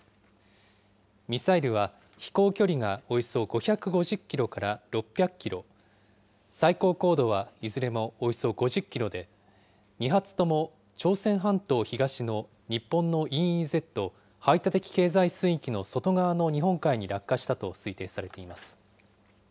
ミサイルは、飛行距離がおよそ５５０キロから６００キロ、最高高度はいずれもおよそ５０キロで、２発とも朝鮮半島東の日本のＥＥＺ・排他的経済水域の外側の日本海に落下したと推定されています。